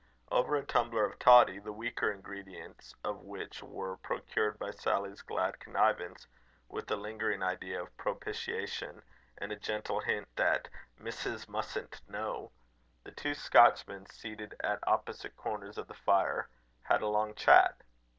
Over a tumbler of toddy, the weaker ingredients of which were procured by Sally's glad connivance, with a lingering idea of propitiation, and a gentle hint that Missus mustn't know the two Scotchmen, seated at opposite corners of the fire, had a long chat.